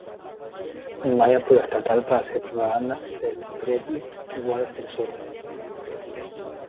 No hay apoyo estatal para hacer propaganda del predio que guarda este tesoro.